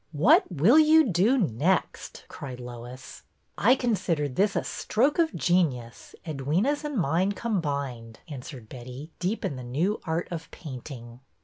What will you do next? " cried Lois. I consider this a stroke of genius, Edwyna^s and mine combined," answered Betty, deep in the new art of painting.